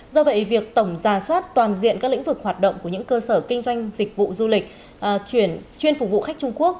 do vậy việc tổng ra soát toàn diện các lĩnh vực hoạt động của những cơ sở kinh doanh dịch vụ du lịch chuyên phục vụ khách trung quốc